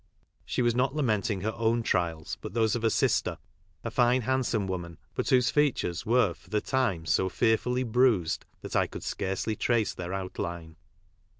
She was not lamenting her own trials, but those of her sister, a fine handsome woman, but whose features were for the time so fearfully bruised that I could scarcely trace their outline.